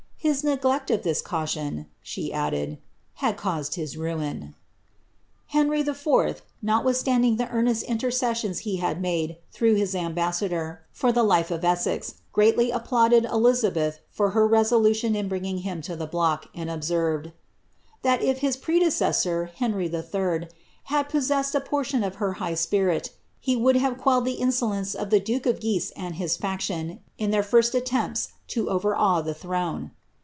His neglect of this caution," she added. "^ had caused his Henry IV., notwithstanding the earnest intercessions he had miiif. through his ambassador, for the life of Essex, greatly applauded Elm beth for her resolution in bringing iiim to the block, and observed, ihii if hia predecessor. Henry III., had possessed a portion of her high spin' he would have quelled the insolence of the duke of Guise and his Ac tion in their first aiiempls lo overawe the throne."